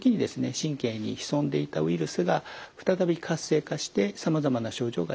神経に潜んでいたウイルスが再び活性化してさまざまな症状が出る。